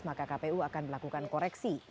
maka kpu akan melakukan koreksi